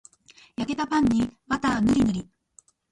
焼けたパンにバターぬりぬり